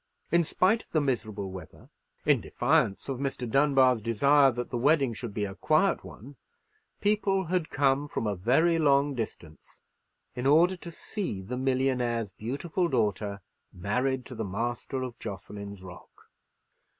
In spite of the miserable weather, in defiance of Mr. Dunbar's desire that the wedding should be a quiet one, people had come from a very long distance in order to see the millionaire's beautiful daughter married to the master of Jocelyn's Rock.